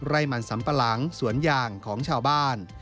ไร่มันสัมปะหลังสวนยางของชาวบ้าน